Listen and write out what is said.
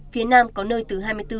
phía nam có nơi từ hai mươi bốn